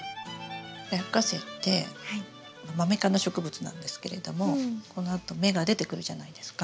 ラッカセイってマメ科の植物なんですけれどもこのあと芽が出てくるじゃないですか。